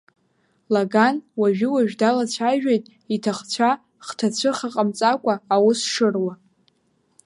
Лаган уажәы-уажә далацәажәоит иҭахцәа хҭацәыха ҟамҵакәа аус шыруа.